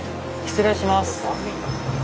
失礼します。